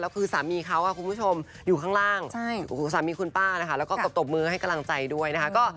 แล้วคือสามีเขาก็ตบมือให้กำลังใจด้วยนะคะ